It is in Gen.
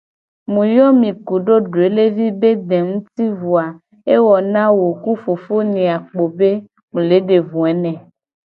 Mu yo mi kudo doelevi be de nguti vo a ewo na wo ku fofo nye a kpo be mu le de voe ne.